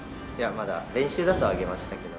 まだ練習だと上げましたけど。